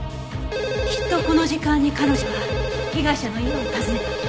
きっとこの時間に彼女は被害者の家を訪ねた。